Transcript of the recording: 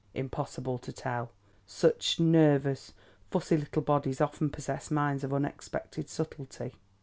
Impossible to tell. Such nervous, fussy little bodies often possess minds of unexpected subtlety.